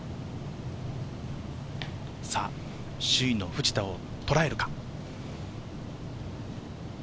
首位の藤田をとらえるか？